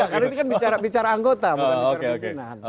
karena ini kan bicara anggota bukan bicara pimpinan